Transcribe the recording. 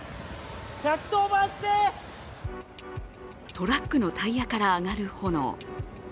トラックのタイヤから上がる炎。